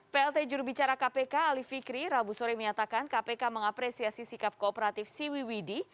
plt jurubicara kpk ali fikri rabu sore menyatakan kpk mengapresiasi sikap kooperatif siwi widi